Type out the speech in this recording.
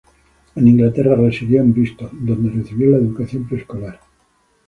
En Inglaterra residió en y Bristol, donde recibió la educación preescolar.